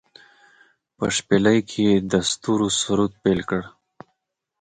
په شپیلۍ کې يې د ستورو سرود پیل کړ